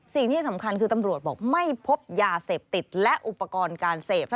สิ่งที่สำคัญคือตำรวจบอกไม่พบยาเสพติดและอุปกรณ์การเสพ